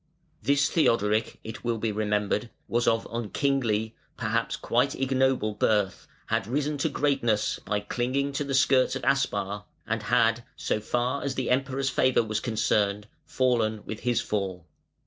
This Theodoric, it will be remembered, was of unkingly, perhaps of quite ignoble, birth, had risen to greatness by clinging to the skirts of Aspar, and had, so far as the Emperor's favour was concerned, fallen with his fall.